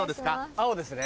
青ですね。